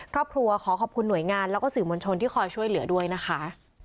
ขอขอบคุณหน่วยงานแล้วก็สื่อมวลชนที่คอยช่วยเหลือด้วยนะคะ